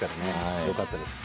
よかったです。